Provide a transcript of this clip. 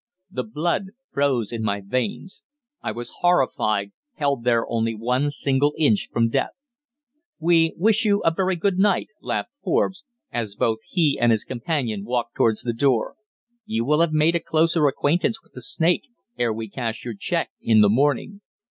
The blood froze in my veins. I was horrified, held there only one single inch from death. "We wish you a very good night," laughed Forbes, as both he and his companion walked towards the door. "You will have made a closer acquaintance with the snake ere we cash your cheque in the morning."